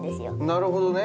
なるほどね。